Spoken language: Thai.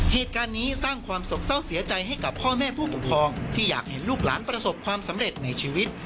เหตุการณ์นี้สร้างความสกเศร้าเสียใจให้กับพ่อแม่ผู้ปกครองที่อยากเห็นลูกหลานประสบความสำเร็จในชีวิต